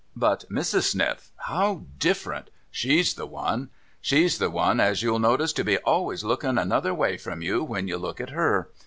But Mrs. Sniff, — how different ! She's the one ! She's the one as you'll notice to be always looking another way from you, when you look at her.